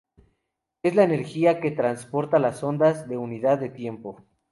Es la energía que transportan las ondas por unidad de tiempo.